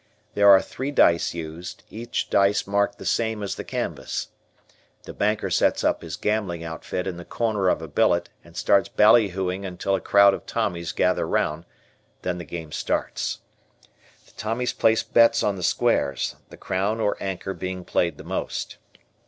There are three dice used, each dice marked the same as the canvas. The banker sets up his gambling outfit in the corner of a billet and starts bally hooing until a crowd of Tommies gather around; then the game starts. The Tommies place bets on the squares, the crown or anchor being played the most.